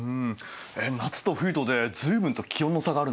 夏と冬とで随分と気温の差があるんだね。